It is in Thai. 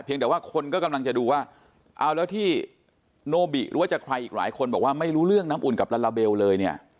แต่ว่าคนก็กำลังจะดูว่าเอาแล้วที่โนบิหรือว่าจะใครอีกหลายคนบอกว่าไม่รู้เรื่องน้ำอุ่นกับลาลาเบลเลยเนี่ย